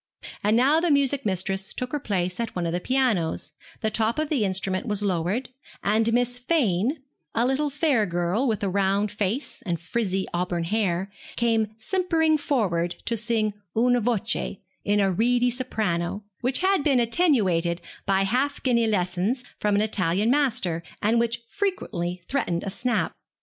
And now the music mistress took her place at one of the pianos, the top of the instrument was lowered, and Miss Fane, a little fair girl with a round face and frizzy auburn hair, came simpering forward to sing 'Una voce,' in a reedy soprano, which had been attenuated by half guinea lessons from an Italian master, and which frequently threatened a snap.